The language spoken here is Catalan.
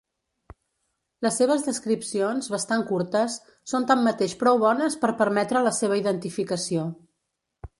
Les seves descripcions, bastant curtes, són tanmateix prou bones per permetre la seva identificació.